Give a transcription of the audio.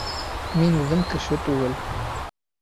Мин үҙем кеше түгел.